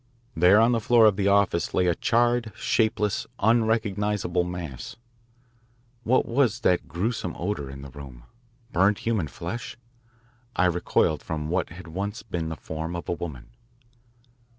There on the floor of the office lay a charred, shapeless, unrecognisable mass. What was that gruesome odour in the room? Burned human flesh? I recoiled from what had once been the form of a woman.